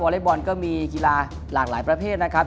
เล็กบอลก็มีกีฬาหลากหลายประเภทนะครับ